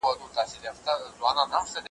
تر شلو زیاتې لومړنۍ تاریخي سرچینې کارولې